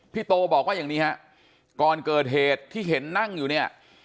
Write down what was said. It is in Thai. โตบอกว่าอย่างนี้ฮะก่อนเกิดเหตุที่เห็นนั่งอยู่เนี่ย